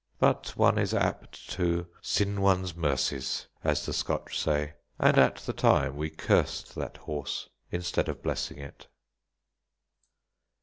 But one is apt to "sin one's mercies," as the Scotch say, and at the time we cursed that horse instead of blessing it.